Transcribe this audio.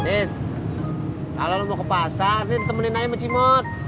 is kalau lo mau ke pasar ditemenin aja sama cimut